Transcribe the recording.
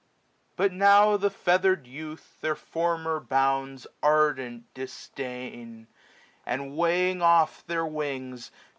725 But now the feathered youth their former bounds. Ardent, disdain ; and weighing oft their wings.